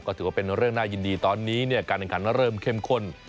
ก็ถือว่าเป็นเรื่องน่ายินดีตอนนี้การแข่งขันเริ่มเข้มข้น